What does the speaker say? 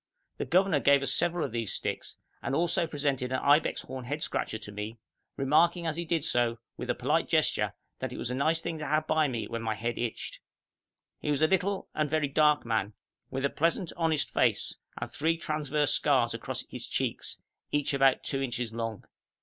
The governor gave us several of these sticks, and also presented an ibex horn head scratcher to me, remarking as he did so, with a polite gesture, that it was a nice thing to have by me when my head itched. He was a little and very dark man, with a pleasant, honest face, and three transverse scars across his cheeks, each about two inches long.